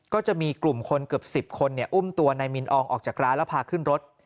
ก็จะมีกลุ่มคนเกือบ๑๐คนอุ้มตัวนายมินอองออกจากร้านแล้วพาขึ้นรถ